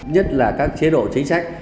nhất là các chế độ chính sách